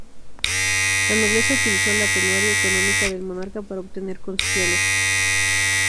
La nobleza utilizó la penuria económica del monarca para obtener concesiones.